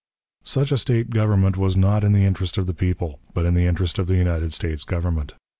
Such a State government was not in the interest of the people, but in the interest of the United States Government.